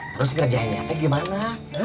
terus kerjainnya teh gimana